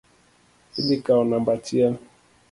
Idhi kawo namba achiel.